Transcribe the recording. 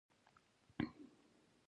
هلک د خپلې وعدې ساتونکی دی.